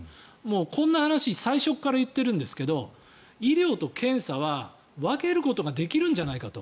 こんな話最初から言っているんですけど医療と検査は分けることができるんじゃないかと。